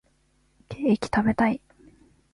ケーキ食べたい